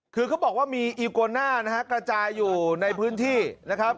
คือเขาบอกว่ามีอีโกน่านะฮะกระจายอยู่ในพื้นที่นะครับ